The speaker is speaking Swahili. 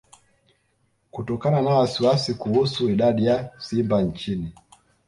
Kutokana na wasiwasi kuhusu idadi ya simba nchini